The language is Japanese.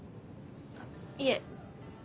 あっいえ。